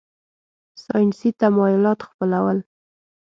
ساینسي تمایلات خپلول.